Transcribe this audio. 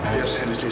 biar saya di sini